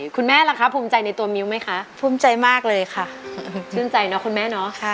คุณแม่ละคะภูมิใจในตัวมิ้วไหมคะภูมิใจมากเลยค่ะชื่นใจเนอะคุณแม่เนอะค่ะ